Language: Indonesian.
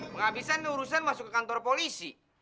penghabisan urusan masuk ke kantor polisi